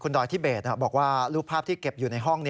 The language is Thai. ดอยทิเบสบอกว่ารูปภาพที่เก็บอยู่ในห้อง